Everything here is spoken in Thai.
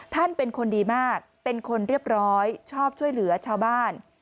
ท่านเป็นคนดีมากเป็นคนเรียบร้อยชอบช่วยเหลือชาวบ้าน